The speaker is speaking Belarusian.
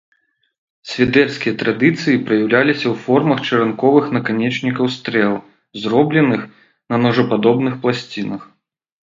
Свідэрскія традыцыі праяўляліся ў формах чаранковых наканечнікаў стрэл, зробленых на ножападобных пласцінах.